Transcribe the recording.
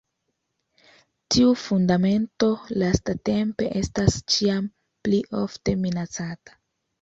Tiu fundamento lastatempe estas ĉiam pli ofte minacata.